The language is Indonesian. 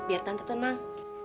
biar tante tenang